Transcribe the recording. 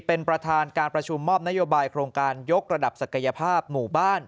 เป็นประธานการประชุมมอบนโยบายโครงการยกระดับศักยภาพหมู่บ้าน